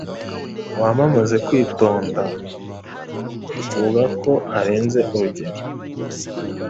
Wamamaze kwitonda: vuga ko arenze urugero